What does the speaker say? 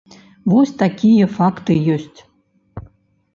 Вось такія факты ёсць.